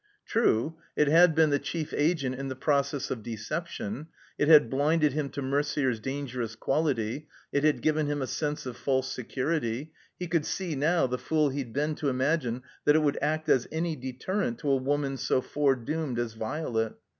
True, it had been the chief agent in the proc ess of deception; it had blinded him to Merder's dangerous quality; it had given him a sense of false security; he could see, now, the fool he'd been to imagine that it would act as any deterrent to a woman so foredoomed as Violet.